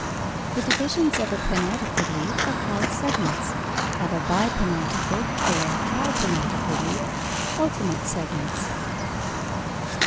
3). The divisions of a pinnátifid leaf are called segments; of a bipinnátifid or tripinnátifid leaf, ultimate segments.